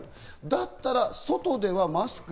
だったら外ではマスク。